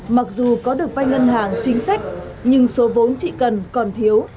mặc dù có được vay ngân hàng chính sách nhưng số vốn chị cần còn thiếu